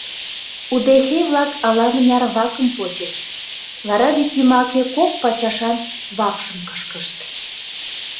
Удэхей-влак ала-мыняр вакым почыч, вара вӱд йымаке кок пачашан вапшым кышкышт.